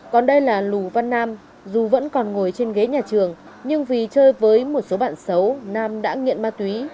còn đây là lù văn nam dù vẫn còn ngồi trên ghế nhà trường nhưng vì chơi với một số bạn xấu nam đã nghiện ma túy